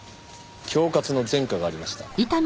恐喝の前科がありました。